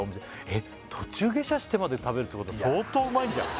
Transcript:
えっ途中下車してまで食べるってことは相当うまいんじゃん？